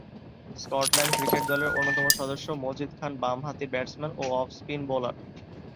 Scotland cricket দলের অন্যতম সদস্য মজিদ খান বামহাতি ব্যাটসম্যান ও অফ স্পিন বোলার।